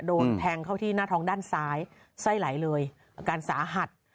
โดนแทงเข้าที่หน้าท้องด้านซ้ายไส้ไหลเลยอาการสาหัส